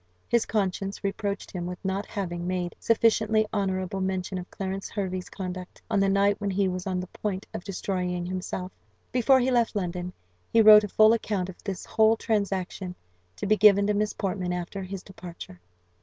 His conscience reproached him with not having made sufficiently honourable mention of Clarence Hervey's conduct, on the night when he was on the point of destroying himself. Before he left London he wrote a full account of this whole transaction, to be given to Miss Portman after his departure.